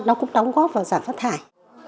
nó cũng đóng góp vào giảm phát thải